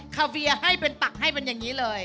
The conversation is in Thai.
คาเฟียให้เป็นตักให้เป็นอย่างนี้เลย